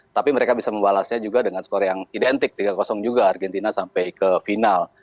tapi mereka bisa membalasnya juga dengan skor yang identik tiga juga argentina sampai ke final